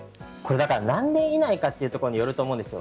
何年以内かというところによると思うんです。